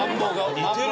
似てる。